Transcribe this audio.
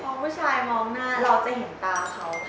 พอผู้ชายมองหน้าเราจะเห็นตาเขา